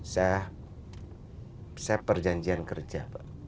saya perjanjian kerja